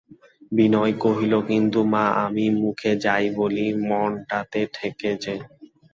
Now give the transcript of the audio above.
বিনয় কহিল, কিন্তু, মা, আমি মুখে যাই বলি মনটাতে ঠেকে যে।